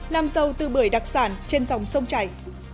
nam dâu tư bưởi đặc sản trên dòng sông trải